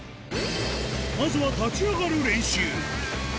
まずは立ち上がる練習。